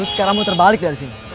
sekarang muter balik dari sini